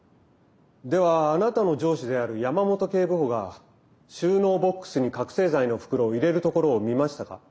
ではあなたの上司である山本警部補が収納ボックスに覚醒剤の袋を入れるところを見ましたか？